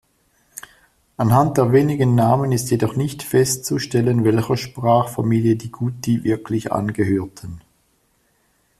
Anhand der wenigen Namen ist jedoch nicht festzustellen, welcher Sprachfamilie die Guti wirklich angehörten.